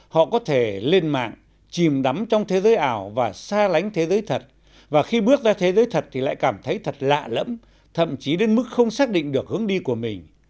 họ có thể lên mạng chìm đắm trong thế giới ảo và xa lánh thế giới thật và khi bước ra thế giới thật thì lại cảm thấy thật lạ lẫm thậm chí đến mức không xác định được hướng đi của mình